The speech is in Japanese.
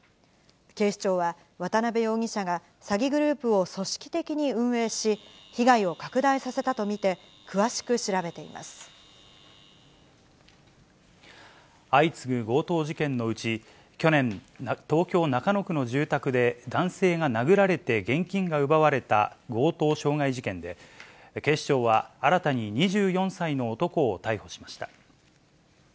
警視庁は、渡辺容疑者が、詐欺グループを組織的に運営し、被害を拡大させたと見て、詳しく調べて相次ぐ強盗事件のうち、去年、東京・中野区の住宅で、男性が殴られて現金が奪われた強盗傷害事件で、警視庁は、新たに２４歳の男を逮捕しました。